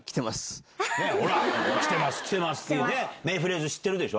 「きてますきてます」っていう名フレーズ知ってるでしょ？